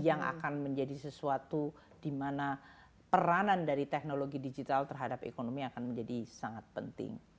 yang akan menjadi sesuatu di mana peranan dari teknologi digital terhadap ekonomi akan menjadi sangat penting